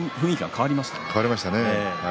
変わりましたね。